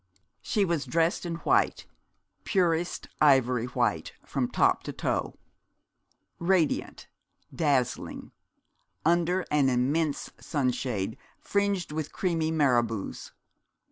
She was dressed in white, purest ivory white, from top to toe radiant, dazzling, under an immense sunshade fringed with creamy marabouts.